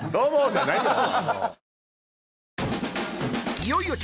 じゃないよ。